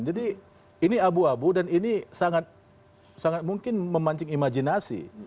jadi ini abu abu dan ini sangat mungkin memancing imajinasi